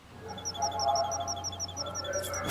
په دې لوبه کي موږ نه یو دا سطرنج دی د خانانو.